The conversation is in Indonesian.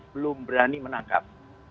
belum berani menangkap